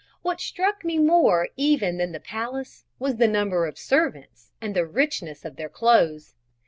What struck me more even than the palace, was the number of the servants and the richness of their clothes.